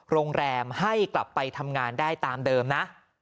โรงแรมให้กลับไปทำงานได้ตามเดิมนะ